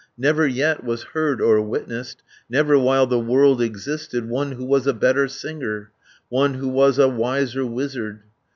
Never yet was heard or witnessed, Never while the world existed, One who was a better singer, One who was a wiser wizard.